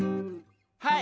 はい！